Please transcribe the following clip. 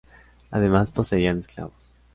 Además poseían esclavos.